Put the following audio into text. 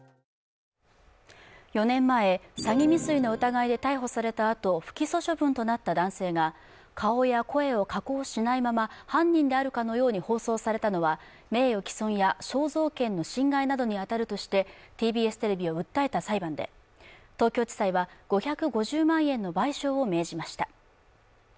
４年前、詐欺未遂の疑いで逮捕されたあと不起訴処分となった男性が顔や声を加工しないまま犯人であるかのように放送されたのは名誉毀損や肖像権の侵害などに当たるとしてＴＢＳテレビを訴えた裁判で東京地裁は５５０万円の賠償を命じました。